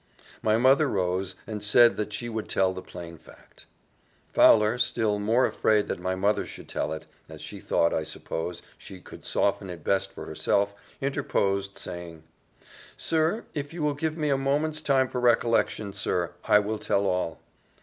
My mother rose, and said that she would tell the plain fact. Fowler, still more afraid that my mother should tell it as she thought, I suppose, she could soften it best herself interposed, saying, "Sir, if you will give me a moment's time for recollection, sir, I will tell all.